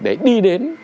để đi đến